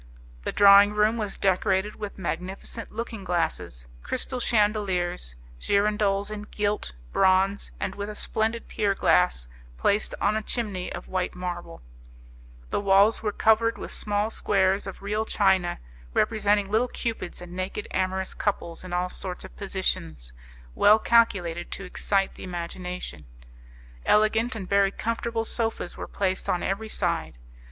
The drawing room was decorated with magnificent looking glasses, crystal chandeliers, girandoles in gilt, bronze, and with a splendid pier glass placed on a chimney of white marble; the walls were covered with small squares of real china, representing little Cupids and naked amorous couples in all sorts of positions, well calculated to excite the imagination; elegant and very comfortable sofas were placed on every side.